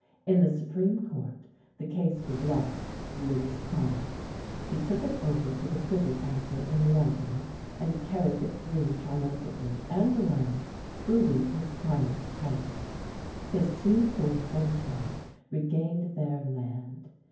In the Supreme Court the case was lost to Louis' clients. He took it over to the Privy Council in London and carried it through triumphantly and alone, proving his clients' title. His two poor Frenchmen regained their land.